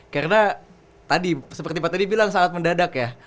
karena tadi seperti pak tadi bilang sangat mendadak ya